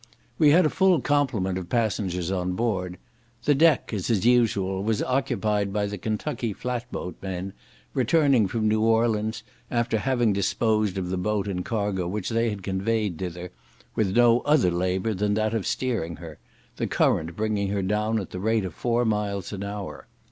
We had a full complement of passengers on board. The deck, as is usual, was occupied by the Kentucky flat boat men, returning from New Orleans, after having disposed of the boat and cargo which they had conveyed thither, with no other labour than that of steering her, the current bringing her down at the rate of four miles an hour.